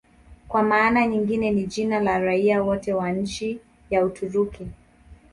Kwa maana nyingine ni jina la raia wote wa nchi ya Uturuki.